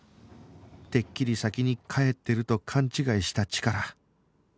てっきり先に帰ってると勘違いしたチカラ